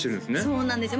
そうなんですよ